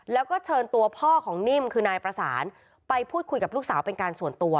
แล้วก็เชิญตัวพ่อของนิ่มคือนายประสานไปพูดคุยกับลูกสาวเป็นการส่วนตัว